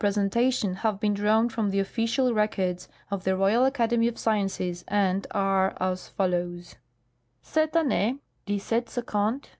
presentation have been drawn from the official records of the Royal Academy of Sciences, and are as follows :* Cette annee (1750) M.